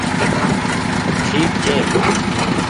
ٺيڪ ڇي۔